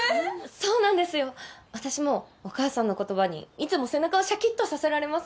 そうなんですよ。あたしもお母さんの言葉にいつも背中をシャキッとさせられます。